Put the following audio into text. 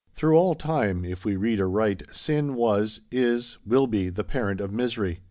Through all time, if we read aright, sin was, is, will be, the parent of misery.